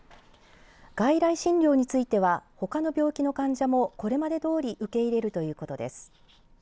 外来診療についてはほかの病気の患者もこれまでどおり受け入れるということです。